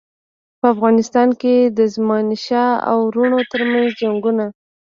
په افغانستان کې د زمانشاه او وروڼو ترمنځ جنګونه.